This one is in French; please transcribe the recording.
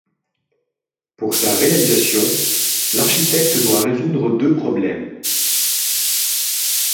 Pour sa réalisation, l'architecte doit résoudre deux problèmes.